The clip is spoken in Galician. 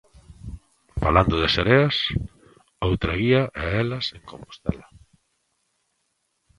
Falando de sereas, outra guía é Elas en Compostela...